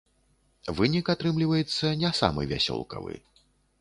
Вынік атрымліваецца не самы вясёлкавы.